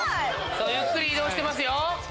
ゆっくり移動してますよ！